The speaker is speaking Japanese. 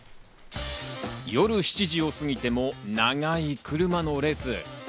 夜７時を過ぎても長い車の列。